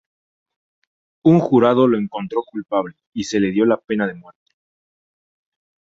Un jurado lo encontró culpable y se le dio la pena de muerte.